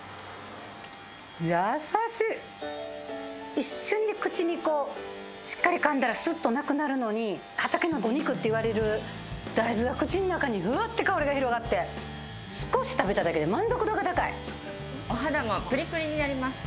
一瞬で口に、しっかり噛んだら、すっとなくなるのに畑のお肉といわれる大豆が口にふわっと香りが広がって、少し食べただけで満足度が高い。